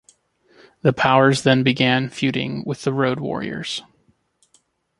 The Powers then began feuding with The Road Warriors.